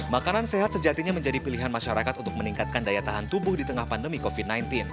makanan sehat sejatinya menjadi pilihan masyarakat untuk meningkatkan daya tahan tubuh di tengah pandemi covid sembilan belas